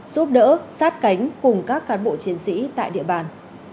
giúp đỡ sát cánh cùng các cán bộ chiến sĩ tại địa bàn